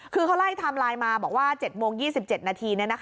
คือเขาไล่ไทม์ไลน์มาบอกว่า๗โมง๒๗นาที